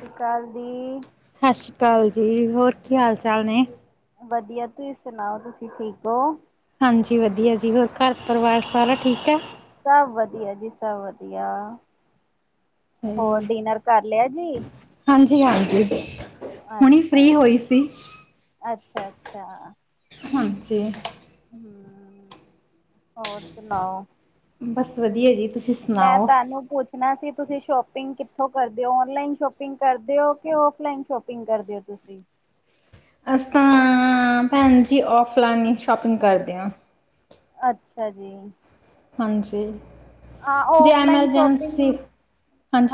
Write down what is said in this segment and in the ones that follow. ਤੇ ਕੱਲ ਦੀ ਸਾਸੀ ਕਾਲ ਜੀ, ਹੋਰ ਕੀ ਹਾਲ-ਚਾਲ ਨੇ ਵਦੀਆ ਤੁਸੀਂ ਸੁਨਾਓ ਤੁਸੀਂ ਠੀਕ ਓਂ। ਹਾਂਜੀ ਵਦੀਆ ਜੀ ਹੋਰ ਘਰ ਪਰਿਵਾਰ ਸਾਰਾ ਠੀਕ ਐ। ਸਬ ਵਦੀਆ ਜੀ ਸਬ ਵਦੀਆ, ਹੋਰ ਡਿਨਰ ਕਰ ਲਿਆ ਜੀ। ਹਾਂਜੀ-ਹਾਂਜੀ, ਹੁਨੀ ਫਰੀ ਹੋਈ ਸੀ। ਅੱਛਾ-ਅੱਛਾ। ਹਾਂਜੀ। ਹਾਂ, ਹੋਰ ਸੁਨਾਓ ਬਸ ਵਧੀਆ ਜੀ ਤੁਸੀਂ ਸ ਮੈਂ ਤੈਨੂੰ ਪੁੱਛ ਨਾ ਸੀ ਤੁਸੀਂ ਸ਼ੋਪਿੰਗ ਕਿੱਥੋਂ ਕਰਦੇ ਔ? ਔਨਲਾਈਨ ਸ਼ੋਪਿੰਗ ਕਰਦੇ ਔ ਕਿ ਔਫਲਾਈਨ ਸ਼ੋਪਿੰਗ ਕਰਦੇ ਹੋ ਤੁਸੀਂ? ਅਸੀ ਤਾਂ ਆ ਭੈਣ ਜੀ ਔਫਲਾਈਨ ਈ ਸ਼ੋਪਿੰਗ ਕਰਦੇ ਆ। ਅੱਛਾ ਜੀ। ਹਾਂਜੀ, ਹਾਂ ਜੇ ਔਫਲਾਈਨ ਸ਼ੋਪਿੰਗ ਐਮਰਜੈਂਸੀ,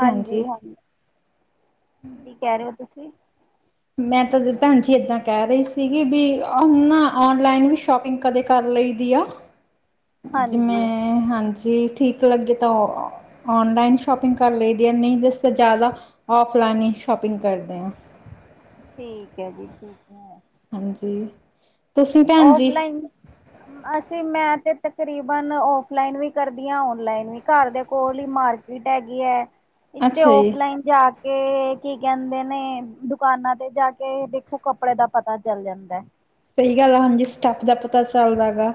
ਹਾਂਜੀ ਹਾਂਜੀ ਕੀ ਕਹਿ ਰਹੇ ਔ ਤੁਸੀਂ ਮੈਂ ਤਾਂ ਦੀ ਭੈਣ ਜੀ ਏਦਾਂ ਕਹਿ ਰੀ ਸੀਗੀ ਵੀ ਉਹ ਨਾ ਔਨਲਾਈਨ ਵੀ ਸ਼ੋਪਿੰਗ ਕਦੇ ਕਰ ਲਈ ਦੀ ਆ, ਜਿਵੇਂ ਹਾਂਜੀ ਮੈ ਹਾਂਜੀ ਠੀਕ ਲੱਗੇ ਤਾਂ ਉਹ ਔਨਲਾਈਨ ਸ਼ੋਪਿੰਗ ਕਰ ਲਈਦੀ ਐ ਨਈ ਜਿਸ ਤਾਂ ਜ਼ਿਆਦਾ ਔਫਲਾਈਨ ਹੀ ਸ਼ੋਪਿੰਗ ਕਰਦੇ ਆ। ਠੀਕ ਐ ਜੀ ਠੀਕ। ਹਾਂਜੀ। ਤੁਸੀਂ ਭੈਣ ਜੀ ਔਫਲਾਈਨ ਅਸੀਂ ਮੈਂ ਤੇ ਤਕਰੀਬਨ ਔਫਲਾਈਨ ਵੀ ਕਰਦੀ ਆ ਔਨਲਾਈਨ ਵੀ ਘਰ ਦੇ ਕੋਲ ਈ ਮਾਰ ਸੀਟ ਹੈਗੀ ਐ, ਇੱਥੇ ਅੱਛਾ ਜੀ ਔਫਲਾਈਨ ਜਾ ਕੇ ਕੀ ਕਹਿੰਦੇ ਨੇ ਦੁਕਾਨਾਂ ਤੇ ਜਾ ਕੇ ਦੇਖੋ ਕੱਪੜੇ ਦਾ ਪਤਾ ਚਲ ਜਾਂਦਾ ਐ। ਸਹੀ ਗੱਲ ਆ ਹਾਂਜੀ ਸਟੱਫ ਦਾ ਪਤਾ ਚਲਦਾ ਗਾ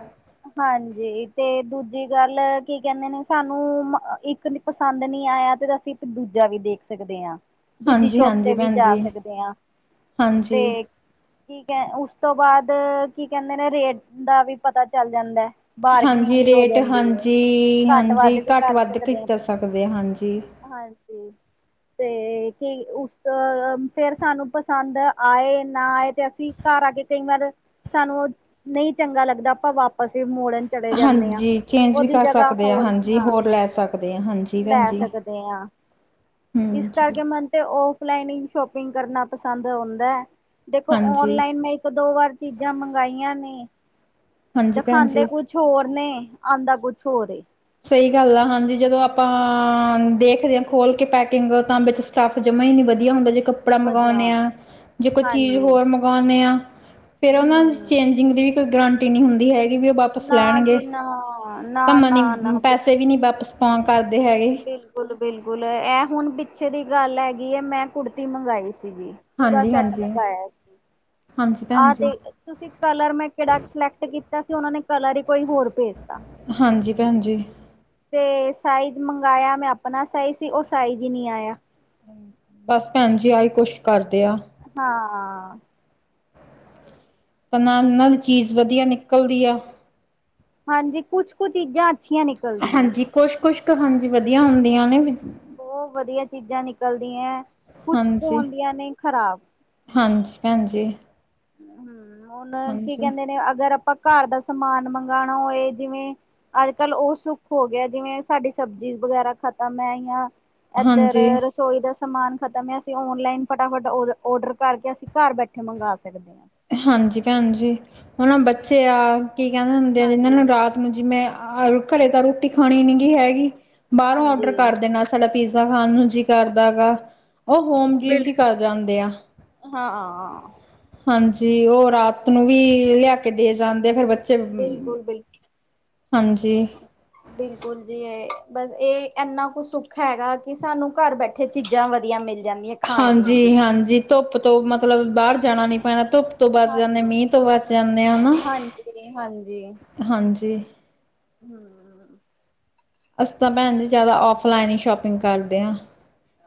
ਹਾਂਜੀ ਤੇ ਦੂਜੀ ਗੱਲ ਕੀ ਕਹਿੰਦੇ ਨੇ ਸਾਨੂੰ ਮ ਇੱਕ ਪਸੰਦ ਨੀ ਆਇਆ ਤੇ ਅਸੀਂ ਇੱਕ ਦੂਜਾ ਵੀ ਦੇਖ ਸਕਦੇ ਆ। ਦੂਜੀ ਹਾਂਜੀ ਸ਼ੋਪ ਹਾਂਜੀ ਤੇ ਵੀ ਭੈਣ ਜਾ ਜੀ ਸਕਦੇ ਆ ਤੇ ਹਾਂਜੀ ਠੀਕ ਐ ਉਸ ਤੋਂ ਬਾਅਦ ਕੀ ਕਹਿੰਦੇ ਨੇ ਰੇਟ ਦਾ ਵੀ ਪਤਾ ਚੱਲ ਜਾਂਦਾ। ਹਾਂਜੀ ਬਾਰਗਨਿੰਗ ਹੋ ਰੇਟ ਜਾਂਦੀ ਐ, ਹਾਂਜੀ ਘੱਟ ਹਾਂਜੀ ਵੱਧ ਵੀ ਘੱਟ ਵੱਧ ਕਰਦੇ ਆ ਕਰ ਆਪਾ। ਸਕਦੇ ਆ ਹਾਂਜੀ ਹਾਂਜੀ। ਤੇ ਕੀ ਉਸ ਤੋਂ ਫੇਰ ਸਾਨੂੰ ਪਸੰਦ ਆਏ ਨਾ ਆਏ ਤੇ ਅਸੀਂ ਘਰ ਆ ਕੇ ਕਈ ਵਾਰ, ਸਾਨੂੰ ਨਈ ਚੰਗਾ ਲੱਗਦਾ ਆਪਾ ਵਾਪਸ ਵੀ ਮੋੜਨ ਚਲੇ ਜਾਨੇ ਆ, ਹਾਂਜੀ ਚੇਂਜ ਵੀ ਉਹਦੀ ਕਰ ਜਗ੍ਹਾ ਸਕਦੇ ਆ ਹੋਰ ਹਾਂਜੀ ਹਾਂ ਹੋਰ ਲੈ ਸਕਦੇ ਆ ਹਾਂਜੀ ਭੈਣ ਲੈ ਜੀ ਸਕਦੇ ਆ। ਇਸ ਹਮ ਕਰਕੇ ਮਨ ਤੇ ਉਹ ਪਲੈਨਿੰਗ ਸ਼ੋਪਿੰਗ ਕਰਨਾ ਪਸੰਦ ਉਂਦਾ, ਦੇਖੋ ਹਾਂਜੀ ਔਨਲਾਈਨ ਮੈਂ ਇੱਕ ਦੋ ਵਾਰ ਚੀਜ਼ਾਂ ਮੰਗਾਈਆਂ ਨੇ। ਹਾਂਜੀ ਭੈਣ ਜੀ ਦਿਖਾਦੇ ਕੁਛ ਹੋਰ ਨੇ ਆਦਾ ਕੁਛ ਹੋਰ ਏ। ਸਹੀ ਗੱਲ ਆ ਹਾਂਜੀ ਜਦੋਂ ਆਪਾਂ ਦੇਖਦੇ ਆ ਖੋਲ ਕੇ ਪੈਕਿੰਗ ਤਾਂ ਵਿੱਚ ਸਾਫ਼ ਜਮ੍ਹਾਂ ਈ ਨੀ ਵਧੀਆ ਹੁੰਦਾ ਜਿਕਾ ਕੱਪੜਾ ਵਧੀਆ ਮੰਗਾਉਨੇ ਆ, ਜੇ ਕੋਈ ਚੀਜ਼ ਹਾਂਜੀ ਹੋਰ ਮੰਗਵਾਉਂਨੇ ਆ ਫੇਰ ਉਹਨਾਂ ਦੀ ਹਮ ਚੇਂਜਿੰਗ ਦੀ ਕੋਈ ਗਰੰਟੀ ਨੀ ਹੁੰਦੀ ਹੈਗੀ ਵੀ ਉਹ ਵਾਪਸ ਨਾ ਲੈਣਗੇ ਜੇ ਨਾ, ਨਾ, ਨਾ, ਨਾ। ਕਿਤੇ ਵੀ ਨੀ ਵਾਪਿਸ ਫੋਨ ਕਰਦੇ ਹੈਗੇ। ਬਿਲਕੁਲ-ਬਿਲਕੁਲ ਇਹ ਹੁਣ ਪਿੱਛੇ ਦੀ ਗੱਲ ਹੈਗੀ ਐ ਮੈਂ ਕੁੜਤੀ ਮੰਗਾਈ ਸੀਗੀ। ਪੂਰਾ ਹਾਂਜੀ ਸੈੱਟ ਹਾਂਜੀ ਮੰਗਾਇਆ ਸੀ, ਹਾਂਜੀ ਭੈਣ ਆਹ ਜੀ ਤੇ ਤੁਸੀਂ ਕਲਰ ਮੈਂ ਕਿਹੜਾ ਸਿਲੈਕਟ ਕੀਤਾ ਸੀ‌ ਉਹਨਾਂ ਨੇ ਕਲਰ ਹੀ ਕੋਈ ਹੋਰ ਭੇਜਤਾ‌। ਹਾਂਜੀ, ਭੈਣ ਜੀ। ਤੇ ਸਾਈਜ਼ ਮੰਗਿਆ ਮੈਂ ਆਪਣਾ ਸਾਈਜ਼ ਸੀ ਉਹ ਸਾਈਜ਼ ਈ ਨੀ ਆਇਆ। ਬਸ, ਭੈਣ ਜੀ ਆਹੀ ਕੁਛ ਕਰਦੇ ਆ। ਹਾਂ। ਤਾਂ ਨਾਲ ਇਹਨਾਂ ਦੀ ਚੀਜ਼ ਵਧੀਆ ਨਿਕਲ਼ਦੀ ਆ। ਹਾਂਜੀ, ਕੁੱਛ ਕੁ ਚੀਜ਼ਾਂ ਅੱਛੀਆਂ ਨੇ ਹਾਂਜੀ, ਕੁੱਛ -ਕੁੱਛ ਕੁ ਹਾਂਜੀ ਵਧੀਆ ਹੁੰਦੀਆਂ ਨੇ। ਉਹ ਵਧੀਆ ਚੀਜ਼ਾਂ ਨਿਕਲਦੀਆਂ, ਕੁੱਛ ਕੁ ਹਾਂਜੀ ਹੋਦੀਆਂ ਨੇ ਖ਼ਰਾਬ। ਹਾਂਜੀ, ਭੈਣਜੀ। ਹੂੰ, ਹੁਣ ਕੀ ਕਹਿੰਦੇ ਨੇ ਅਗਰ ਆਪਾਂ ਘਰ ਦਾ ਸਮਾਨ ਮੰਗਾਣਾ ਹੋਏ ਜਿਵੇਂ ਅੱਜ-ਕੱਲ ਉਹ ਸੁੱਖ ਹੋ ਗਿਆ ਜਿਵੇਂ ਸਾਡੀ ਸਬਜ਼ੀ ਵਗੈਰਾ ਖਤਮ ਹੈਇਆ ਐਧਰ ਹਾਂਜੀ ਰਸੋਈ ਦਾ ਸਮਾਨ ਖ਼ਤਮ ਹੈ, ਅਸੀਂ ਔਨਲਾਈਨ ਫਟਾਫਟ ਔਡਰ ਕਰਕੇ ਅਸੀਂ ਘਰ ਬੈਠੇ ਮੰਗਾ ਸਕਦੇ ਆ। ਹਾਂਜੀ, ਭੈਣਜੀ‌ ਹੁਣ ਆ ਬੱਚੇ ਆ, ਕੀ ਕਹਿੰਦੇ ਹੁੰਦੇ ਆ ਇਹਨਾਂ ਨੂੰ ਹਾਂਜੀ ਰਾਤ ਨੂੰ ਜੀ ਮੈਂ ਆ, ਘਰੇ ਤਾਂ ਰੋਟੀ ਖਾਣੀ ਨੀ ਗੀ ਹੈਗੀ, ਬਾਹਰੋਂ ਔਡਰ ਹਾਂਜੀ ਕਰ ਦੇਣਾ। ਸਾਡਾ ਪੀਜ਼ਾ ਖਾਣ ਨੂੰ ਜੀ ਕਰਦਾ ਗਾ, ਓ ਹੋਮ ਡਿਲੀਵਰੀ ਕਰ ਜਾਂਦੇ ਆ। ਹਾਂ। ਹਾਂਜੀ, ਉਹ ਰਾਤ ਨੂੰ ਵੀ ਲਿਆ ਕੇ ਦੇ ਜਾਂਦੇ ਫਿਰ ਬ ਫੇਰ, ਬਿਲਕੁਲ ਬਿਲ ਹਾਜੀ। ਬਿਲਕੁਲ ਜੀ, ਏ ਬਸ ਇਹ ਐਨਾ ਕੁ ਸੁੱਖ ਹੈਗਾ ਕਿ ਸਾਨੂੰ ਘਰ ਬੈਠ ਉਥੇ ਚੀਜ਼ਾਂ ਵਧੀਆ ਮਿਲ ਜਾਂਦੀਆਂ। ਖਾਣ ਪੀਣ ਦੀਆਂ ਹਾਂਜੀ-ਹਾਂਜੀ ਧੁੱਪ ਤੋਂ ਮਤਲਬ ਬਾਹਰ ਜਾਣਾ ਨੀ ਪੈਣਾ ਧੁੱਪ ਤੋਂ ਬਚ ਜਾਂਨੇ, ਹਾਂਜੀ ਮੀਂਹ ਤੋਂ ਬਚ ਜਾਂਨੇ ਆ ਨਾ, ਹਾਂਜੀ ਹਾਂਜੀ। ਹੂੰ। ਅਸੀਂ ਤਾਂ ਭੈਣਜੀ ਜਿਆਦਾ ਆਫਲਾਈਨ ਈ ਸ਼ੋਪਿੰਗ ਕਰਦੇ ਆ,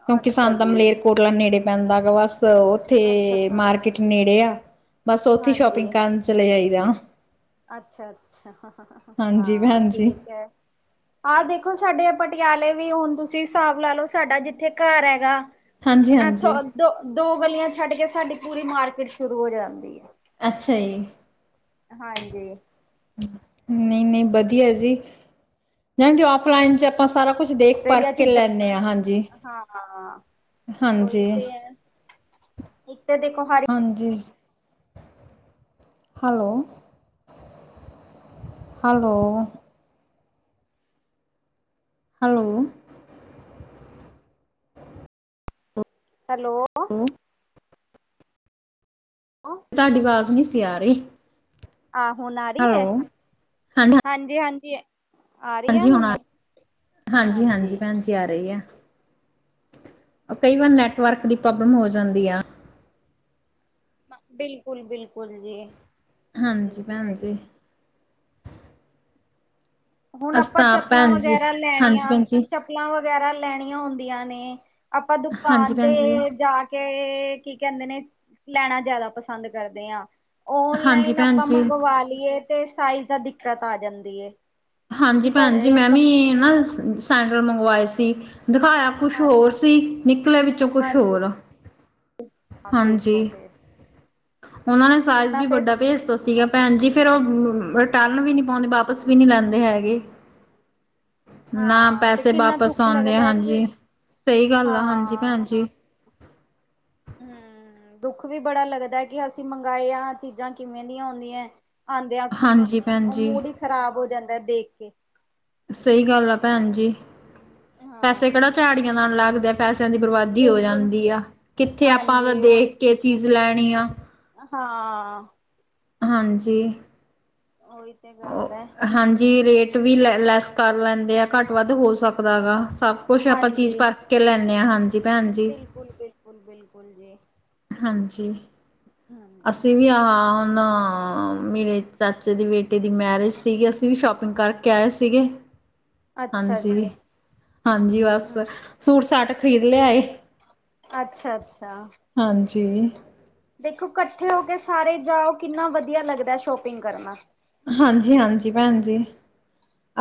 ਕਿਉਂਕਿ ਅੱਛਾ ਸਾਨੂੰ ਤਾਂ ਜੀ, ਮਲੇਰਕੋ -ਕੋਟਲਾ ਨੇੜੇ ਪੈਂਦਾ ਗਾ, ਬਸ ਉੱਥੇ ਅੱਛਾ-ਅੱਛਾ, ਮਾਰਕੀਟ ਨੇੜੇ ਆ। ਬਸ ਉੱਥੇ ਈ ਸ਼ੋਪਿੰਗ ਹਾਂਜੀ। ਕਰਨ ਚਲੇ ਜਾਈਦਾ। ਅੱਛਾ-ਅੱਛਾ ਹਾਂਜੀ ਹਾਂ ਭੈਣ ਜੀ। ਠੀਕ ਐ। ਆਹ ਦੇਖੋ ਸਾਡੇ ਪਟਿਆਲੇ ਵੀ ਹੁਣ ਤੁਸੀਂ ਹਿਸਾਬ ਲਾ ਲਓ ਸਾਡਾ ਜਿੱਥੇ ਘਰ ਹੈਗਾ। ਹਾਂਜੀ-ਹਾਂਜੀ ਇੱਥੋਂ ਦੋ- ਦੋ ਗਲੀਆਂ ਛੱਡ ਕੇ ਸਾਡੀ ਪੂਰੀ ਮਾਰਕੀਟ ਸ਼ੁਰੂ ਹੋ ਜਾਂਦੀ ਐ। ਅੱਛਾ ਜੀ। ਹਾਂਜੀ। ਨਈ- ਨਈ ਬਦੀਆਂ ਜੀ, ਮੈਂਨੂੰ ਤੇ ਔਫਲਾਈਨ ਚ ਆਪਾਂ ਸਾਰਾ ਕੁੱਛ ਦੇਖ ਤੇਰੀਆਂ ਪਰਖਕੇ ਚੀਜ਼ਾਂ ਲੈਂਣੇ ਆ, ਹਾਂ, ਉਹੀ ਹਾਂਜੀ-ਹਾਂਜੀ। ਤੇ ਹੈ। ਇੱਕ ਤੇ ਦੇਖੋ ਹਾਰੀ ਹਾਂਜੀ। ਹੈਲੋ। ਹੈਲੋ। ਹੈਲੋ। ਹੈਲੋ। ਓ ਤਾਡੀ ਆਵਾਜ਼ ਨੀਂ ਸੀ ਆ ਰਈ। ਆਹ ਹੁਣ ਆ ਰੀ ਐ, ਹਾਂਜੀ- ਹਾਂਜੀ। ਹਾਂਜੀ ਹੁਣ ਆ ਰਹੀ, ਹਾਂਜੀ- ਹਾਂਜੀ ਭੈਣਜੀ ਆ ਰੀ ਐ। ਓ ਕਈ ਵਾਰ ਨੈੱਟਵਰਕ ਦੀ ਪ੍ਰੋਬਲਮ ਹੋ ਹੂੰ। ਜਾਂਦੀ ਆ। ਬਿਲਕੁਲ- ਬਿਲਕੁਲ ਜੀ। ਇਹ ਹਾਂਜੀ ਤੇ ਹੈ ਭੈਣਜੀ। ਹੀ ਹੈ। ਹੁਣ ਅਸੀਂ ਆਪਾਂ ਤਾਂ ਆਪ ਚੱਪਲਾਂ ਭੈਣ ਜੀ ਵਗੈਰਾ ਹਾਂਜੀ ਲੈਣੀਆਂ ਭੈਣ ਜੀ ਚਪ ਚੱਪਲਾਂ ਵਗੈਰਾ ਲੈਣੀਆਂ ਹੁੰਦੀਆਂ ਨੇ, ਆਪਾਂ ਹਾਂਜੀ ਦੁਕਾਨ ਤੇ ਭੈਣ ਜੀ ਜਾ ਕੇ ਏ ਕੀ ਕਹਿੰਦੇ ਨੇ ਲੈਣਾ ਜ਼ਿਆਦਾ ਪਸੰਦ ਕਰਦੇ ਆ ਹਾਂਜੀ ਓਨਲਾਈਨ ਭੈਣ ਆਪਾਂ ਜੀ ਮੰਗਵਾ ਲਈਏ ਤੇ ਸਾਈਜ਼ ਦਾ ਦਿੱਕਤ ਆ ਜਾਂਦੀ ਏ ਹਾਂਜੀ ਈ ਕੀ ਭੈਣ ਜੀ ਮੈਂ ਇਸ ਵੀ ਨਾ ਸੈਂਡਲ ਮੰਗਵਾਏ ਸੀ ਦਿਖਾਇਆ ਕੁਛ ਹੋਰ ਹਾਂਜੀ ਸੀ ਨਿਕਲਿਆ ਵਿੱਚੋਂ ਕੁਛ ਹਾਂਜੀ ਹੋਰ ਆ [inaudible] ਹਾਂਜੀ ਈ ਫੇਰ ਉਹਨਾਂ ਨੇ ਸਾਇਜ਼ ਕਿੰਨਾ ਵੀ ਫੇਰ ਵੱਡਾ ਭੇਜਤਾ ਸੀਗਾ ਆ ਭੈਣ ਜੀ ਫੇਰ ਉਹ ਰਿਟਰਨ ਵੀ ਨੀ ਪਾਉਂਦੇ ਵਾਪਿਸ ਵੀ ਨੀ ਲੈਂਦੇ ਹੈਗੇ ਏ ਨਾ ਹਾਂ ਫਿਰ ਪੈਸੇ ਕਿੰਨਾ ਵਾਪਿਸ ਦੁੱਖ ਆਉਂਦੇ ਐ ਲੱਗਦਾ ਹੈ ਕਿ ਹਾਂਜੀ ਈ ਸਹੀ ਗੱਲ ਆ ਹਾਂਜੀ ਹਾਂ ਭੈਣ ਜੀ ਈ ਹੂੰ ਦੁੱਖ ਵੀ ਬੜਾ ਲੱਗਦਾ ਕਿ ਅਸੀਂ ਮੰਗਾਏਆ ਚੀਜ਼ਾਂ ਕਿਵੇਂ ਦੀਆਂ ਐ ਆਦਿਆਂ ਹਾਂਜੀ ਭੈਣ ਜੀ ਈ ਖ਼ਰਾਬ ਹੋ ਜਾਂਦਾ ਐ ਦੇਖ ਕੇ ਸਹੀ ਗੱਲ ਆ ਭੈਣ ਜੀ ਈ ਹਾਂ, ਪੈਸੇ ਕਿਹੜਾ ਝਾੜੀਆਂ ਨਾਲ ਲੱਗਦੇ ਆ ਪੈਸਿਆਂ ਦੀ ਬਰਬਾਦੀ ਹੋ ਬਿਲਕੁਲ ਜਾਂਦੀ ਆ ਕਿੱਥੇ ਹਾਂਜੀ ਆਪਾਂ ਉਹੀ ਦੇਖ ਕੇਚੀਜ਼ ਲੈਣੀ ਆ ਹਾਂ ਆ ਹਾਂਜੀ ਈ ਉਹੀ ਤੇ ਗੱਲ ਐ। ਉਹ ਹਾਂਜੀ ਈ ਰੇਟ ਵੀ ਲੈ ਲੈਸ ਕਰ ਲੈਂਦੇ ਆ ਘੱਟ ਵੱਧ ਹੋ ਸਕਦਾ ਹੈਗਾ ਸਭ ਕੁਛ ਆਪਾਂ ਚੀਜ਼ ਹਾਂਜੀ, ਪਰਖ਼ ਕੇ ਲੈਂਣੇ ਆ ਹਾਂਜੀ ਈ ਭੈਣ ਜੀ ਈ ਬਿਲਕੁਲ ਬਿਲਕੁਲ ਜੀ ਹਾਂਜੀ ਈ ਹਾ ਆ ਅਸੀਂ ਵੀ ਹਾ ਣਾ ਆ ਮਿਲੇ ਚ ਚਾਚੇ ਦੇ ਬੇਟੇ ਦੀ ਮੈਰਿਜ ਸੀਗੀ ਏ ਅਸੀਂ ਵੀ ਸ਼ੋਪਿੰਗ ਕਰਕੇ ਆਏ ਸੀਗੇ ਏ ਅੱਛਾ ਹਾਂਜੀ ਜੀ, ਈ ਹਾਂਜੀ ਈ ਬਸ ਹੂੰ। ਸੂਟ ਸਾਟ ਖਰੀਦ ਲਿਆ ਏ ਅੱਛਾ ਅੱਛਾ ਆ ਹਾਂਜੀ ਈ ਦੇਖੋ ਇਕੱਠੇ ਹੋ ਕੇ ਸਾਰੇ ਜਾਓ ਕਿੰਨਾ ਵਧੀਆ ਲੱਗਦਾ ਸ਼ੋਪਿੰਗ ਕਰਨਾ ਆ ਹਾਂਜੀ ਈ ਹਾਂਜੀ ਈ ਭੈਣ ਜੀ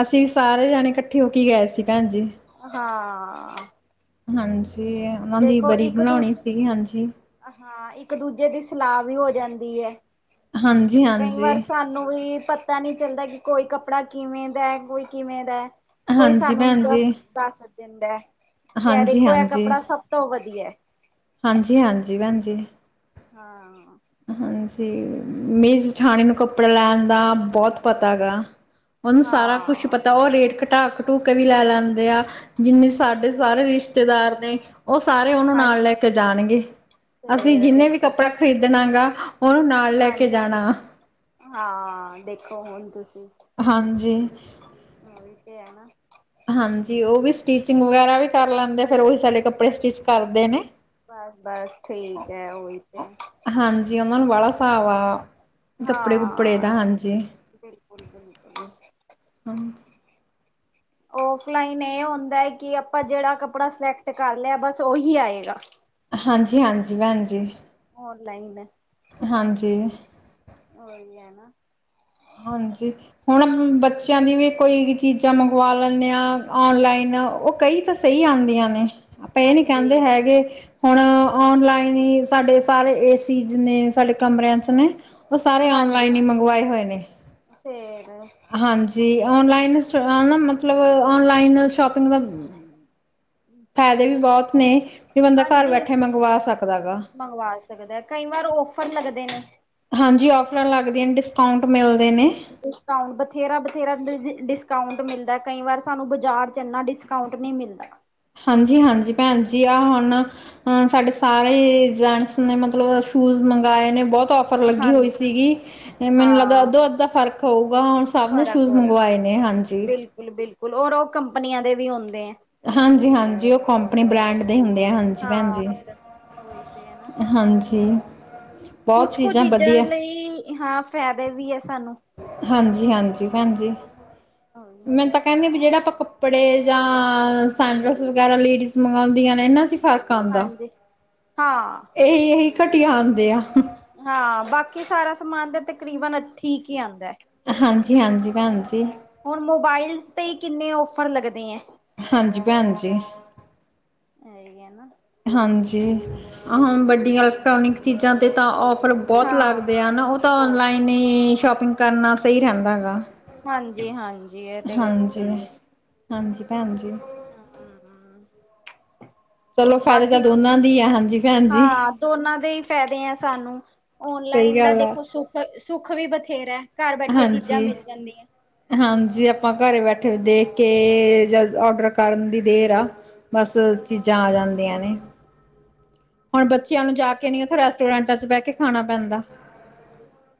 ਅਸੀਂ ਸਾਰੇ ਜਾਣੇ ਇਕੱਠੇ ਹੋ ਕੇ ਗਏ ਸੀ ਭੈਣ ਜੀ ਈ ਹਾਂ ਆ ਹਾਂਜੀ ਈ ਉਹਨਾਂ ਦੀ ਬਰੀ ਇੱਕ ਬਣਾਉਣੀ ਦੂਜੇ ਸੀਗੀ ਹਾਂਜੀ ਈ ਹਾਂ ਇੱਕ ਦੂਜੇ ਦੀ ਸਲਾਹ ਵੀ ਹੋ ਜਾਂਦੀ ਐ ਹਾਂਜੀ ਈ ਹਾਂਜੀ ਈ ਨੋ ਵੀ ਪਤਾ ਨਹੀਂ ਚੱਲਦਾ ਆ ਕਿ ਕੋਈ ਕੱਪੜਾ ਕਿਵੇਂ ਦਾ ਐ ਕੋਈ ਕਿਵੇਂ ਦਾ ਐ ਕੋਈ ਹਾਂਜੀ ਸਾਨੂੰ ਨੀ ਭੈਣ ਜੀ। ਦੱਸ ਸੱਜਣ ਦਾ ਕੀ ਐ ਦੇਖੋ ਐ ਹਾਂਜੀ-ਹਾਂਜੀ, ਕੱਪੜਾ ਸਭ ਤੋਂ ਵਧੀਆ ਐ ਹਾਂਜੀ ਈ ਹਾਂਜੀ ਈ ਭੈਣ ਜੀ ਈ ਹਾਂ ਆ ਹਾਂਜੀ ਈ ਮੇਰੀ ਜਠਾਣੀ ਨੂੰ ਕੱਪੜੇ ਲਾਣ ਦਾ ਬਹੁਤ ਪਤਾ ਹੈਗਾ ਆ ਉਹਨੂੰ ਸਾਰਾ ਕੁਛ ਹਾਂ। ਪਤਾ ਉਹ ਰੇਟ ਘਟਾ ਆ ਘਟੂ ਉ ਕੇ ਵੀ ਲੈ ਲੈਂਦੇ ਆ ਜਿੰਨੇ ਸਾਡੇ ਤੇ ਸਾਰੇ ਰਿਸ਼ਤੇ ਰਿਸ਼ਤੇਦਾਰ ਵੀ ਉਹ ਸਾਰੇ ਉਹਨੂੰ ਨਾਲ ਹਾਂਜੀ ਲੈ ਕੇ ਜਾਣਗੇ ਏ ਅਸੀਂ ਫੇਰ ਜਿੰਨੇ ਵੀ ਦੇਖੋ ਕੱਪੜੇ ਏ ਜਿਨਾਂ ਦਾ ਆ ਉਹਨੂੰ ਨਾਲ ਲੈ ਕੇ ਹਾਂਜੀ। ਜਾਣਾ ਆ ਹਾਂ ਆ ਦੇਖੋ ਹੁਣ ਤਸੀ ਈ ਹਾਂਜੀ ਈ ਉਈ ਤਾਂ ਹੈ ਨਾ ਹਾਂਜੀ ਈ ਉਹ ਵੀ ਈ ਸਟੀਚਿੰਗ ਵਗੈਰਾ ਵੀ ਕਰ ਲੈਂਦੇ ਆ ਫਿਰ, ਉਹੀ ਸਾਡੇ ਕੱਪੜੇ ਸਟਿਚ ਕਰਦੇ ਨੇ ਬਸ-ਬਸ ਠੀਕ ਐ ਓਈ ਤੇ ਹਾਂਜੀ, ਓਨਾਂ ਨੂੰ ਵਾਲਾ ਸਾਬ ਆ। ਕੱਪੜੇ-ਕੁਪੜੇ ਦਾ ਹਾਂ ਹਾਂਜੀ, ਬਿਲਕੁਲ ਬਿਲਕੁਲ। ਹਾਂਜੀ। [inaudible] ਓਫਲਾਈਨ ਏ ਹੁੰਦਾ ਐ ਕੀ ਆਪਾਂ ਜੇੜਾ ਕੱਪੜਾ ਸਿਲੈਕਟ ਕਰ ਲਿਆ ਬਸ ਓਹੀ ਆਏਗਾ। ਹਾਂਜੀ-ਹਾਂਜੀ ਭੈਨ ਜੀ। ਓਨਲਾਈਨ ਹਾਂਜੀ। ਓਈ ਐ ਨਾ। ਹਾਂਜੀ। ਹੁਨ ਬੱਚੇਆਂ ਦੀ ਵੀ ਕੋਈ ਚੀਜ਼ਾਂ ਮੰਗਵਾ ਲੈਂਨੇ ਆਂ ਔਨਲਾਈਨ ਓ ਕਈ ਤਾਂ ਸਈ ਆਂਦੀਆਂ ਨੇ ਆਪਾਂ ਏ ਨੀ ਹਾਂਜੀ ਕੈਂਦੇ ਹੈਗੇ। ਹੁਨ ਔਨਲਾਈਨ ਈ ਸਾਡੇ ਸਾਰੇ ਏਸੀ ਜਿਨੇ ਸਾਡੇ ਕਮਰੇਆਂ ਚ ਨੇ ਓ ਸਾਰੇ ਹਾਂਜੀ ਔਨਲਾਈਨ ਹ਼ਈ ਮੰਗਵਾਏ ਹੋਏ ਨੇ। ਫੇਰ ਹਾਂਜੀ, ਔਨਲਾਈਨ ਚ ਨਾ ਮਤਲਬ ਔਨਲਾਈਨ ਸ਼ੋਪਿੰਗ ਦਾ ਫੈਦੇ ਵੀ ਬੋਤ ਨੇ ਵੀ ਬੰਦਾ ਘਰ ਹਾਂਜੀ ਬੈਠੇ ਮੰਗਵਾ ਸਕਦੈ ਗਾ। ਮੰਗਵਾ ਸਕਦਾ ਕਈ ਵਾਰ ਓਫਰ ਲੱਗਦੇ ਨੇ। ਹਾਂਜੀ ਔਫਰਾਂ ਲੱਗਦੀਆਂ ਨੇ ਡਿਸਕਾਊਂਟ ਮਿਲਦੇ ਨੇ। ਡਿਸਕਾਊਟ ਬਥੇਰਾ-ਬਥੇਰਾ ਡਿਜੀ ਡਿਸਕਾਊਂਟ ਮਿਲਦਾ ਕਈ ਵਾਰ ਸਾਨੂੰ ਬਾਜ਼ਾਰ ਚ ਏਨਾ ਡਿਸਕਾਊਂਟ ਨਈ ਮਿਲਦਾ। ਹਾਂਜੀ-ਹਾਂਜੀ ਭੈਨ ਜੀ ਆ ਹੁਨ ਹੁਨ ਸਾਡੇ ਸਾਰੇ ਜੈਂਟਸ ਨੇ ਮਤਲਬ ਸ਼ੂਜ ਮੰਗਵਾਏ ਨੇ ਬੋਤ ਔ ਔਫਰ ਲੱਗੀ ਹੋਈ ਹਾਂਜੀ ਸੀਗੀ, ਮੈਨੂੰ ਲੱਗਦਾ ਹਾਂ ਅੱਧੋ-ਅੱਧ ਦਾ ਫ਼ਰਕ ਹੋਊਗਾ ਹੁਨ ਸਬ ਨੇ ਸੂਜ ਮੰਗਵਾਏ ਨੇ ਹਾਂਜੀ। ਬਿਲਕੁਲ-ਬਿਲਕੁਲ ਔਰ ਓ ਕੰਪਨੀਆਂ ਦੇ ਵੀ ਹੁੰਦੇ ਐ। ਹਾਂਜੀ-ਹਾਂਜੀ ਓ ਕੰਪਨੀ ਬਰੈਂਡ ਦੇ ਹੁੰਦੇ ਆ ਹਾਂਜੀ ਭੈਨ ਹਾਂ ਜੀ, ਉਹੀ ਤੇ ਹੈ ਨਾ ਹਾਂਜੀ। ਬਹੁਤ ਕੁਛ ਕੁ ਚੀਜ਼ਾਂ ਵਧੀਆ ਲਈ ਹਾਂ ਫੈਦੇ ਵੀ ਐ ਸਾਨੂੰ। ਹਾਂਜੀ-ਹਾਂਜੀ ਭੈਨ ਜੀ, ਮੈ ਤਾਂ ਕੈਨੀ ਆ ਵੀ ਜੇੜੇ ਆਪਾਂ ਕੱ ਕੱਪੜੇ ਜਾਂ ਸੰਗਸ ਵਗੈਰਾ ਲੇਡੀਜ਼ ਮੰਗੌਂਦੀਆਂ ਨੇ ਨਾ ਅਸੀਂ ਫੰਕ- ਹਾਂਜੀ, ਹਾਂ ਏਹੀ-ਏਹੀ ਘਟੀਆ ਆਂਦੇ ਆ। ਹਾਂ, ਬਾਕੀ ਸਾਰਾ ਸਮਾਨ ਤੇ ਤਕਰੀਬਨ ਠੀਕ ਈ ਆਂਦਾ। ਹਾਂਜੀ-ਹਾਂਜੀ ਭੈਨ ਜੀ। ਹੁਨ ਮੋਬਾਇਲਜ ਤੇ ਈ ਕਿੰਨੇ ਔਫਰ ਲਗਦੇਂ ਐਂ। ਹਾਂਜੀ ਭੈਨ ਜੀ। ਇਹੀ ਹੈ ਨਾ ਹਾਂਜੀ, ਹੁਣ ਵੱਡੀਆਂ ਇਲੈਕਟ੍ਰੋਨਿਕ ਚੀਜ਼ਾਂ ਤੇ ਤਾਂ ਔਫ ਰ ਬੋਤ ਹਾਂ ਲੱਗਦੇ ਆ ਨਾ ਓ ਤਾਂ ਬਹੁਤ ਔਨਲਾਈਨ ਈ ਸ਼ੋਪਿੰਗ ਕਰਨਾ ਸਈ ਰੈਂਦਾ ਗਾ। ਹਾਂਜੀ ਹਾਂ ਹਾਂਜੀ-ਹਾਂਜੀ ਭੈਨ ਜੀ। [inaudible] ਚਲੋ ਫਾਇਦੇ ਤਾਂ ਬਾਕੀ ਦੋਨਾਂ ਦੀ ਆ ਹਾਂਜੀ ਭੈਨ ਜੀ। ਹਾਂ ਦੋਨਾਂ ਦੇ ਈ ਫੈਦੇ ਆ ਸਾਨੂੰ, ਸਹੀ ਔਨਲਾਈਨ ਦਾ ਗੱਲ ਆ ਦੇਖੋ ਸੁੱਖ-ਸੁੱਖ ਵੀ ਬਥੇਰਾ। ਘਰ ਬੈਠੇ ਚੀਜ਼ਾਂ ਹਾਂਜੀ ਮਿਲ ਜਾਂਦੀਆਂ। ਹਾਂਜੀ ਆਪਾਂ ਘਰੇ ਬੈਠੇ ਦੇਖ ਕੇ ਜਲ ਔਡਰ ਕਰਨ ਦੀ ਦੇਰ ਆ ਬਸ, ਚੀਜ਼ਾਂ ਆ ਜਾਂਦੀਆਂ ਨੇ - ਹੁਣ ਬੱਚਿਆਂ ਨੂੰ ਜਾ ਕੇ ਨੀ ਉੱਥੇ ਰੈਸਟੋਰੈਂਟਾਂ ਚ ਬਹਿ ਕੇ ਖਾਣਾ ਪੈਂਦਾ -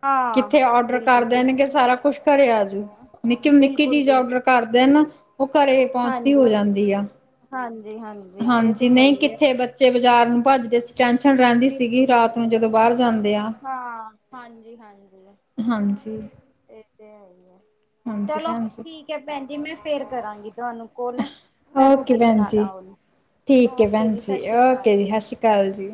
ਹਾਂ ਕਿੱਥੇ ਔਡਰ ਕਰ ਬਿਲਕੁਲ ਜੀ ਦੇਣਗੇ ਸਾਰਾ ਕੁਛ ਘਰੇ ਆ ਜੂ ਨਿੱਕੀ- ਨਿੱਕੀ ਬਿਲਕੁਲ ਚੀਜ਼ ਬਿਲਕੁਲ ਔਡਰ ਕਰ ਦੇਣ ਨਾ ਉਹ ਘਰੇ ਪਹੁੰਚਦੀ ਹੋ ਹਾਂਜੀ, ਜਾਂਦੀ ਆ- ਹਾਂਜੀ, ਹਾਂਜੀ ਇਹ ਤੇ ਹਾਂਜੀ, ਹੈ ਨਹੀਂ ਹੀ ਹੈ ਕਿੱਥੇ ਬੱਚੇ ਬਾਜ਼ਾਰ ਨੂੰ ਭੱਜਦੇ ਸੀ। ਟੈਨਸ਼ਨ ਰਹਿੰਦੀ ਸੀਗੀ ਬਿਲਕੁਲ ਰਾਤ ਨੂੰ ਜਦੋਂ ਬਾਹਰ ਜਾਂਦੇ ਆ - ਜੀ ਹਾਂਜੀ - ਹਾਂਜੀ ਹਾਂਜੀ, ਇਹ ਤੇ ਹੈ ਹੀ ਆ- ਹਾਂਜੀ ਚਲੋ, ਭੈਣ ਜੀ। ਠੀਕ ਹੈ ਭੈਣ ਜੀ ਮੈਂ ਫੇਰ ਕਰਾਂਗੀ ਤੁਹਾਨੂੰ ਕੋਲ- ਮੈਂ ਓਕੇ ਰੋਟੀ ਭੈਣ ਬਣਾ ਜੀ, ਲਾ ਓਨੇ - ਠੀਕ ਏ, ਭੈਣ ਜੀ ਓਕੇ ਜੀ ਸਤਿ ਸ਼੍ਰੀ ਅਕਾਲ ਜੀ।